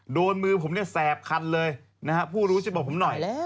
โดนมือผมเนี่ยแสบคันเลยผู้รู้จะบอกผมหน่อย